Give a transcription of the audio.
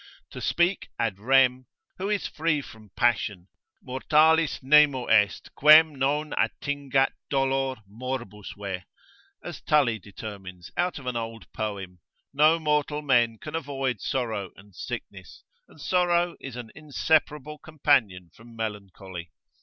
To speak ad rem, who is free from passion? Mortalis nemo est quem non attingat dolor, morbusve, as Tully determines out of an old poem, no mortal men can avoid sorrow and sickness, and sorrow is an inseparable companion from melancholy.